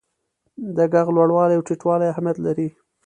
د ږغ لوړوالی او ټیټوالی اهمیت لري.